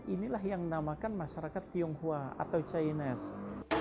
inilah yang dinamakan masyarakat tionghoa atau chinese